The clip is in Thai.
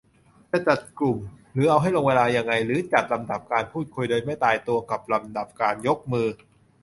จะจัดกลุ่ม หรือเอาให้ลงเวลายังไง หรือจัดลำดับการพูดคุยโดยไม่ตายตัวกับลำดับการยกมือ